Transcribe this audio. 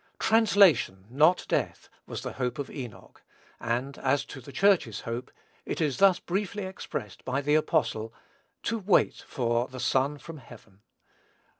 Translation, not death, was the hope of Enoch; and, as to the Church's hope, it is thus briefly expressed by the apostle, "To wait for the Son from heaven."